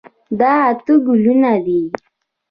دا اته ګلونه دي.